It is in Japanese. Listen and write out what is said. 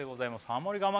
ハモリ我慢